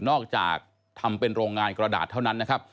นอกจากทำเป็นโรงงานกระดาษเท่านั้นนะครับ